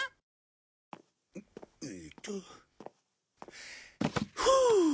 えっ？ふう。